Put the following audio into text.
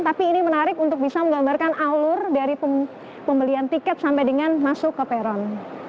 tapi ini menarik untuk bisa menggambarkan alur dari pembelian tiket sampai dengan masuk ke peron